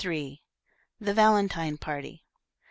THE VALENTINE PARTY.